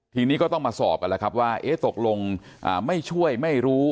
ทีนี้ก็ต้องมาสอบกันแล้วครับว่าตกลงไม่ช่วยไม่รู้